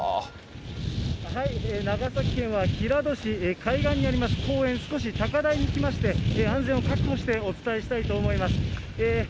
長崎県は平戸市、海岸にあります公園、少し高台に来まして、安全を確保してお伝えしたいと思います。